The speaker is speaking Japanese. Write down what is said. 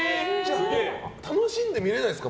楽しんでみれないですか？